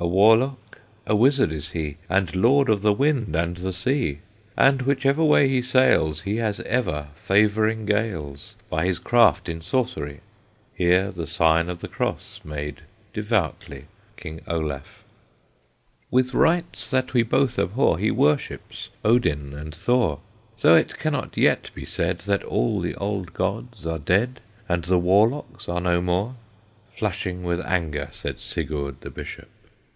"A warlock, a wizard is he, And lord of the wind and the sea; And whichever way he sails, He has ever favoring gales, By his craft in sorcery." Here the sign of the cross made Devoutly King Olaf. "With rites that we both abhor, He worships Odin and Thor; So it cannot yet be said, That all the old gods are dead, And the warlocks are no more," Flushing with anger Said Sigurd the Bishop.